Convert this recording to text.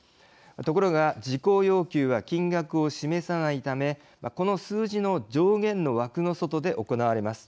ところが、事項要求は金額を示さないためこの数字の上限の枠の外で行われます。